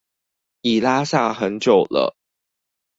已拉下很久了